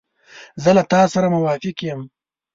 زه له تا سره موافق یم.